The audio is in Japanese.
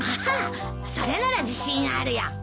あそれなら自信あるよ。